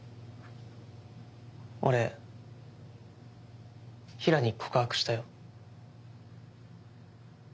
俺平良に告白したよ。